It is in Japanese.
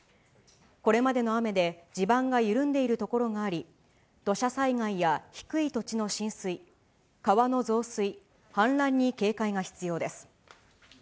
これまでの雨で地盤が緩んでいる所があり、土砂災害や低い土地の浸水、川の増水、氾濫に警戒が必要です。